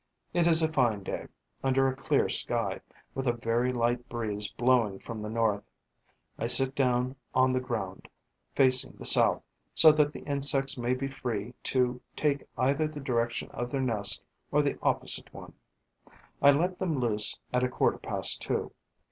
It is a fine day, under a clear sky, with a very light breeze blowing from the north. I sit down on the ground, facing the south, so that the insects may be free to take either the direction of their nest or the opposite one. I let them loose at a quarter past two.